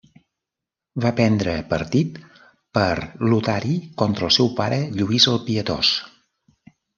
Va prendre partit per Lotari contra el seu pare Lluís el Pietós.